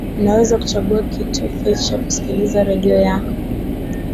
unaweza kuchagua kitufe cha kusikiliza redio yako